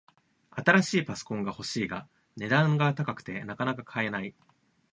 新しいパソコンが欲しいが、値段が高くてなかなか買えない